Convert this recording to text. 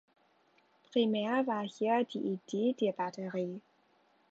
Primär war hier die Idee der Batterie.